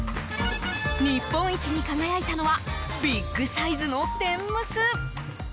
日本一に輝いたのはビッグサイズの天むす。